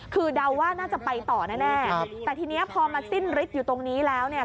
คือเดาว่าน่าจะไปต่อแน่แต่ทีนี้พอมาสิ้นฤทธิ์อยู่ตรงนี้แล้วเนี่ย